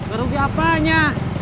gak rugi apanya